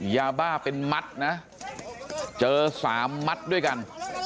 ยาบ้าเป็นมัดนะเจอ๓มัดด้วยกัน